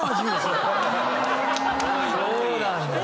そうなんだ。